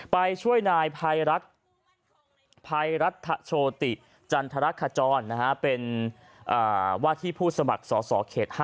ไปช่วยนายภัยรัฐภัยรัฐโชติจันทรคจรเป็นว่าที่ผู้สมัครสอสอเขต๕